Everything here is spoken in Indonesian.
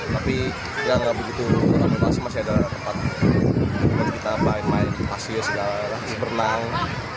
tapi ya nggak begitu masih ada tempat untuk kita main main pasir segala galanya berenang